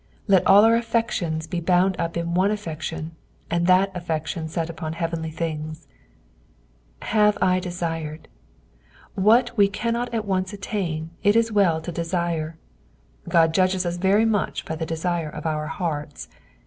Let all our affections be bound up in one affection, and that affection set upon heavenly thin^, "Sim Idetired" — what we cannot at once attain, it is well to desire. Ood judges us very much by the desire of our hearts.